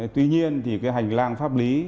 tuy nhiên hành lang pháp lý